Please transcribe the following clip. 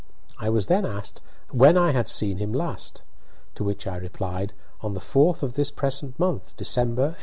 I was then asked when I had seen him last. To which I replied, "On the 4th of this present month, December, 1856."